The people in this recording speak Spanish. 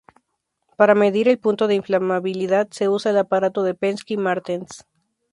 Para medir el punto de inflamabilidad se usa el aparato de Pensky-Martens.